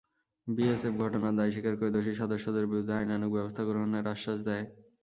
BSF ঘটনার দায় স্বীকার করে দোষী সদস্যদের বিরুদ্ধে আইনানুগ ব্যবস্থা গ্রহণের আশ্বাস দেয়।